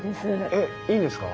えっいいんですか？